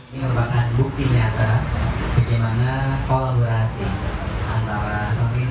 setelah lima menit kurang lebih dari lima menit